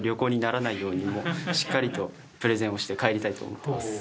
しっかりとプレゼンをして帰りたいと思っています。